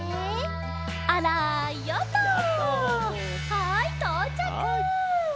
はいとうちゃく！